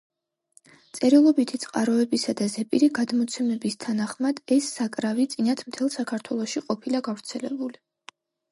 წერილობითი წყაროებისა და ზეპირი გადმოცემების თანახმად, ეს საკრავი წინათ მთელ საქართველოში ყოფილა გავრცელებული.